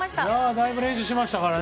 だいぶ練習しましたからね。